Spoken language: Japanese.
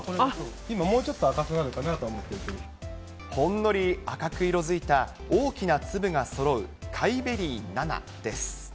今、もうちょっと赤くなるかほんのり赤く色づいた大きな粒がそろう甲斐ベリー７です。